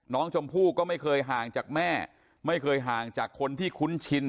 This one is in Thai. น้องชมพู่ก็ไม่เคยห่างจากแม่ไม่เคยห่างจากคนที่คุ้นชิน